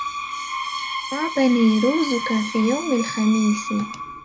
طاب نيروزك في يوم الخميس